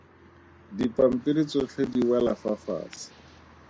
Dipampiri tsotlhe di wela fa fatshe.